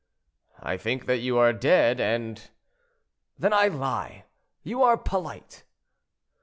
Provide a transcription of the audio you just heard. "I think that you are dead and—" "Then I lie; you are polite."